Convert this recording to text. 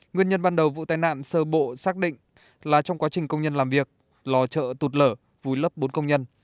nguyên nhân ban đầu vụ tai nạn sơ bộ xác định là trong quá trình công nhân làm việc lò chợ tụt lở vùi lấp bốn công nhân